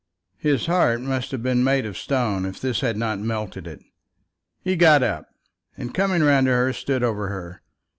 His heart must have been made of stone if this had not melted it. He got up and coming round to her stood over her.